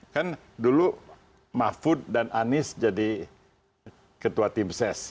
kan dulu mahfud dan anies jadi ketua tim ses